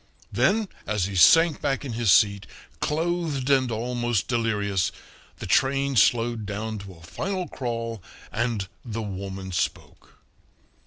Then as he sank back in his seat, clothed and almost delirious, the train slowed down to a final crawl, and the woman spoke.